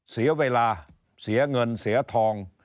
เสียเวลาเสียเงินเสียทอง